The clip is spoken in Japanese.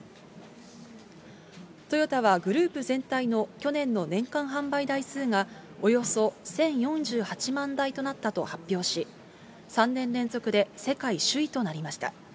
トヨタはグループ全体の去年の年間販売台数が、およそ１０４８万台となったと発表し、３年連続で世界首位となりました。